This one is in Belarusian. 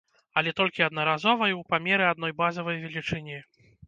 Але толькі аднаразова і ў памеры адной базавай велічыні.